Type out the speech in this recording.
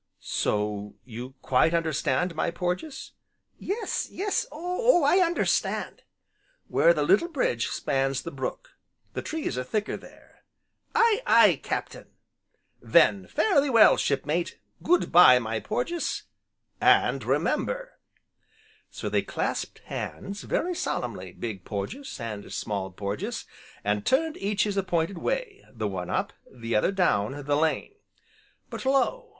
"So you quite understand, my Porges?" "Yes, yes Oh I understand!" "Where the little bridge spans the brook, the trees are thicker, there." "Aye aye, Captain!" "Then fare thee well, Shipmate! Goodbye, my Porges, and remember!" So they clasped hands, very solemnly, Big Porges, and Small Porges, and turned each his appointed way, the one up, the other down, the lane. But lo!